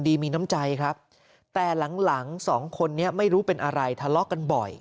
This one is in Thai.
ดีมีน้ำใจครับแต่หลังสองคนจะไม่รู้เป็นอะไรทะเลาะ